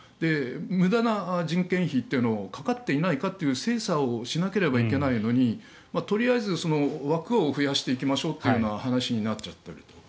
無駄な人件費というのがかかっていないかという精査をしなければいけないのにとりあえず枠を増やしていきましょうという話になっちゃってると。